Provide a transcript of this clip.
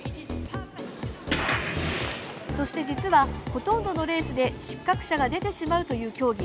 そして実はほとんどのレースで失格者が出てしまうという競技。